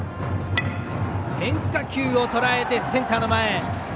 変化球をとらえてセンターの前。